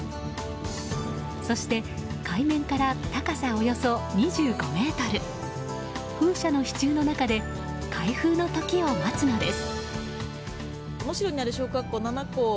そして海面から高さおよそ２５ｍ風車の支柱の中で開封の時を待つのです。